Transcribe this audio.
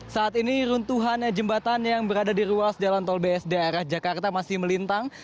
saat ini runtuhan jembatan yang berada di ruas jalan tol bsd arah jakarta masih melintang